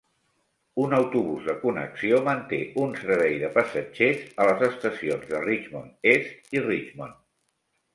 Un autobús de connexió manté un servei de passatgers a les estacions de Richmond Est i Richmond.